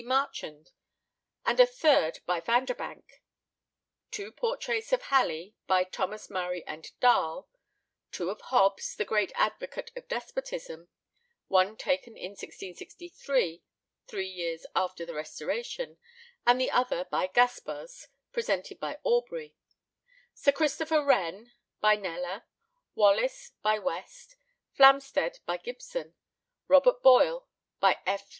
Marchand, and a third by Vanderbank; two portraits of Halley, by Thomas Murray and Dahl; two of Hobbes, the great advocate of despotism one taken in 1663 (three years after the Restoration), and the other by Gaspars, presented by Aubrey; Sir Christopher Wren, by Kneller; Wallis, by West; Flamstead, by Gibson; Robert Boyle, by F.